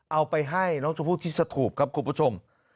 เอาไปให้น้องชมพู่ที่สถูปครับคุณผู้ชม